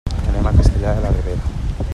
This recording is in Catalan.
Anem a Castellar de la Ribera.